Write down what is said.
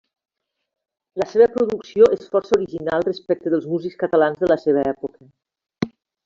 La seva producció és força original respecte dels músics catalans de la seva època.